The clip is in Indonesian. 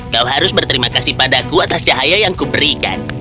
kau harus berterima kasih padaku atas cahaya yang kuberikan